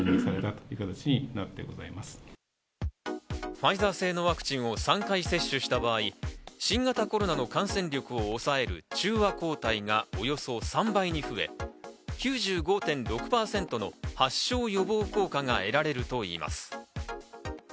ファイザー製のワクチンを３回接種した場合、新型コロナの感染力を抑える中和抗体がおよそ３倍に増え、９５．６％の発症予防効果が得られるといいます。